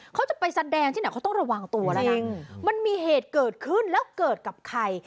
เขาจะไปแสดงที่ไหนเขาต้องระวังตัวแล้วนะมันมีเหตุเกิดขึ้นแล้วเกิดกับใคร